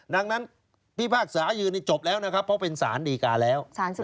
ดังนั้นพิพากษายืนนี่จบแล้วนะครับเพราะเป็นสารดีการแล้ว